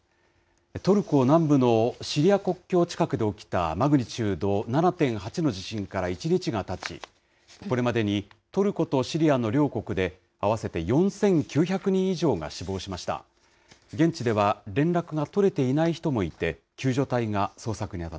トルコ南部のシリア国境近くで起きた、マグニチュード７．８の地震から１日がたち、これまでにトルコとシリアの両国で合わせて４９００人以上が死亡しました。